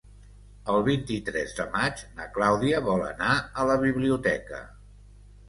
El vint-i-tres de maig na Clàudia vol anar a la biblioteca.